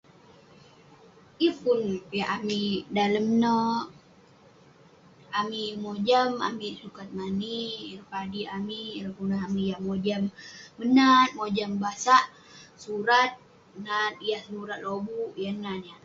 Yeng pun piak amik dalem neh. Amik yeng mojam, amik sukat mani ireh padik amik, ireh kelunan amik yah mojam menat, mojam basak surat. Nat yah senurat lobuk, yan [unintelligible]